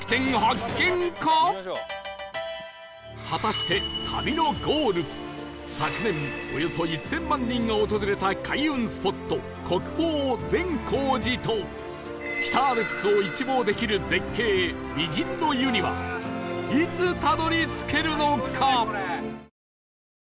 果たして旅のゴール昨年およそ１０００万人が訪れた開運スポット国宝善光寺と北アルプスを一望できる絶景美人の湯にはいつたどり着けるのか？